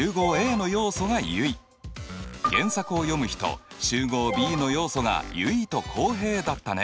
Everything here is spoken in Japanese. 原作を読む人集合Ｂの要素が結衣と浩平だったね。